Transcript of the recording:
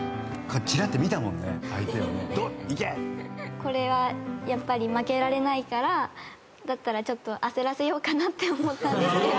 これはやっぱり負けられないからだったらちょっと焦らせようかなって思ったんですけど。